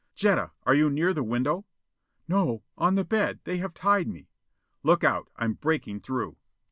"Jetta, are you near the window?" "No. On the bed. They have tied me." "Look out; I'm breaking through!"